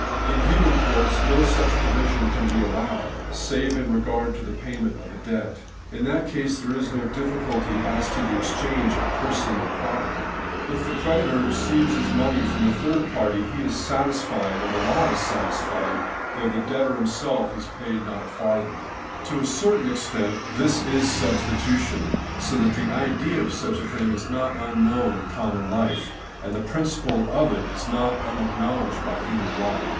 In human courts, no such provision can be allowed, save in regard to the payment of debt. In that case there is no difficulty as to the ex change of person and of property. If the creditor receives his money from a third party, he is satis fied, and the law is satisfied, though the debtor God! 8 Recognition of Substitution. 1 5 himself has not paid one farthing. To a certain extent, this is substitution ; so that the idea of such a thing is not unknown in common life, and the principle of it not unacknowledged by human law.